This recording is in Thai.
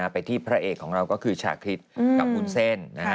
ไปที่พระเอกของเราก็คือชาคริสกับวุ้นเส้น